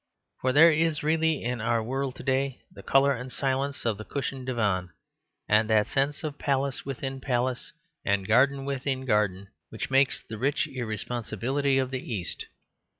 For there is really in our world to day the colour and silence of the cushioned divan; and that sense of palace within palace and garden within garden which makes the rich irresponsibility of the East.